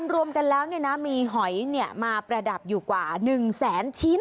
รวมกันแล้วมีหอยมาประดับอยู่กว่า๑แสนชิ้น